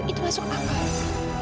itu masuk akal